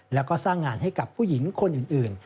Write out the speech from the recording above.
แล้วก็สร้างงานให้กับผู้หญิงคนอื่น